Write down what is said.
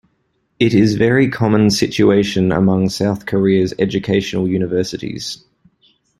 It is very common situation among South Korea's educational universities.